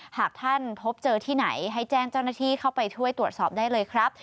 หากท่านพบเจอที่ไหนให้แจ้งเจ้าหน้าที่เข้าไปช่วยตรวจสอบได้เลยครับ